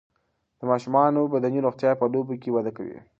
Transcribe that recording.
د ماشومانو بدني روغتیا په لوبو کې وده کوي.